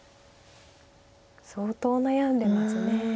相当悩んでます。